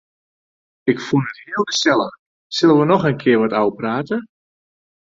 Ik fûn it heel gesellich, sille wy noch in kear wat ôfprate?